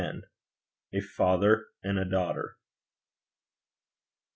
A FATHER AND A DAUGHTER.